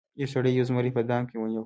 یو سړي یو زمری په دام کې ونیو.